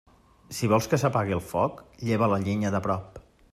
Si vols que s'apague el foc, lleva la llenya de prop.